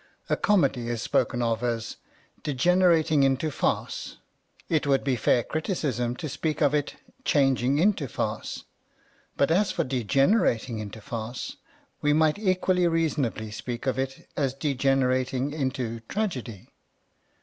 A comedy is spoken of as '* de generating into farce "; it would be fair criticism to speak of it ''changing into farce"; but as for degenerating into farce, we might equally reasonably speak of it as degenerating into tragedy.